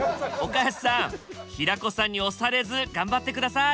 岡安さん平子さんに押されず頑張って下さい！